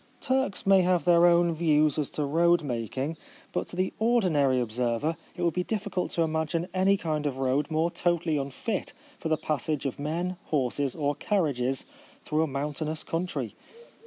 Turks may have their own views as to road making, but to the ordinary observer it would be difficult to imagine any kind of road more totally unfit for the pas sage of men, horses, or carriages, through a mountainous country.